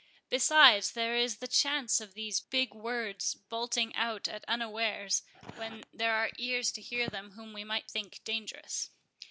Besides, there is the chance of these big words bolting out at unawares, when there are ears to hear them whom we might think dangerous."